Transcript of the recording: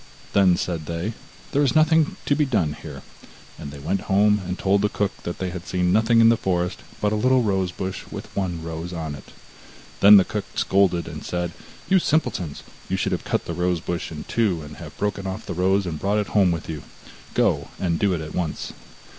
Then said they: 'There is nothing to be done here,' and they went home and told the cook that they had seen nothing in the forest but a little rose bush with one rose on it. Then the old cook scolded and said: 'You simpletons, you should have cut the rose bush in two, and have broken off the rose and brought it home with you; go, and do it at once.